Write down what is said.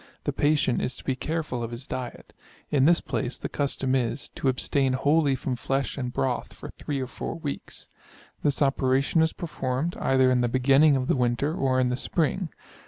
The patient is to be careful of his diet. In this place the custom is, to abstain wholly from flesh and broth for 3 or 4 weeks. This operation is performed, either in the beginning of the winter, or in the spring.